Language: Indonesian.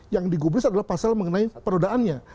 yang digubris adalah pasal mengenai perodaannya